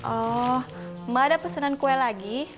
oh mbak ada pesenan kue lagi